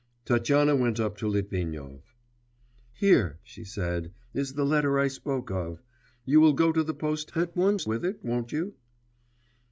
Tatyana went up to Litvinov. 'Here,' she said, 'is the letter I spoke of.... You will go to the post at once with it, won't you?